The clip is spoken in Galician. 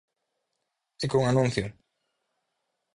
E con anuncio.